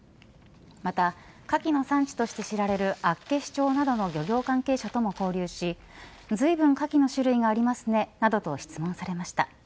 またカキの産地として知られる厚岸町などの漁業関係者とも交流しずいぶんカキの種類がありますねなどと質問されました。